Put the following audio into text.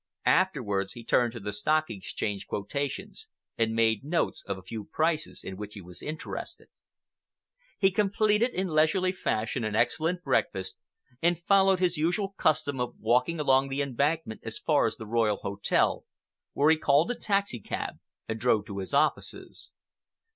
Afterwards he turned to the Stock Exchange quotations and made notes of a few prices in which he was interested. He completed in leisurely fashion an excellent breakfast and followed his usual custom of walking along the Embankment as far as the Royal Hotel, where he called a taxicab and drove to his offices.